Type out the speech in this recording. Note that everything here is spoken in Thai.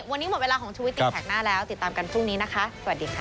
วันนี้หมดเวลาของชุวิตตีแสกหน้าแล้วติดตามกันพรุ่งนี้นะคะสวัสดีค่ะ